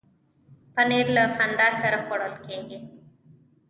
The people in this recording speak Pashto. پنېر له خندا سره خوړل کېږي.